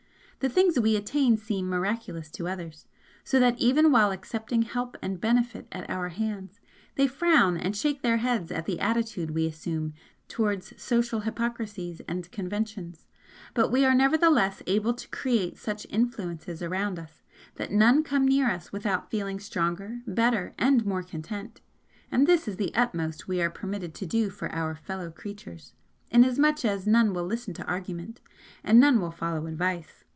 And though the things we attain seem 'miraculous' to others, so that even while accepting help and benefit at our hands, they frown and shake their heads at the attitude we assume towards social hypocrisies and conventions, we are nevertheless able to create such 'influences' around us, that none come near as without feeling stronger, better and more content, and this is the utmost we are permitted to do for our fellow creatures, inasmuch as none will listen to argument, and none will follow advice.